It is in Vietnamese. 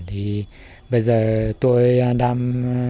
thì bây giờ tôi đang